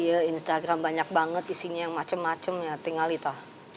iya instagram banyak banget isinya yang macem macem ya tinggal itu